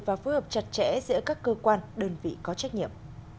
và phối hợp chặt chẽ giữa các cơ quan đơn vị có trách nhiệm